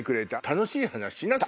楽しい話？